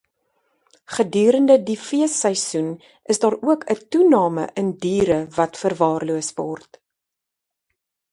Gedurende die feesseisoen is daar ook 'n toename in diere wat verwaarloos word.